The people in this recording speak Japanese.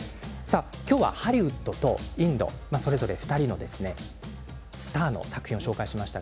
今日はハリウッドとインドそれぞれ２人のスターの作品紹介しました。